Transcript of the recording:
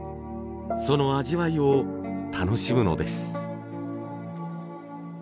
その味わいを楽しむのです。